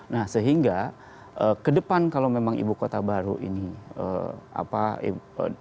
nah sehingga ke depan kalau memang ibu kota baru ini mau di diperlukan